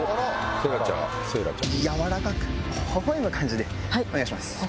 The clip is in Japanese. やわらかくほほ笑む感じでお願いします。